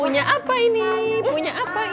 punya apa ini punya apa